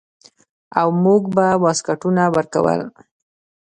او موږ به واسکټونه ورکول.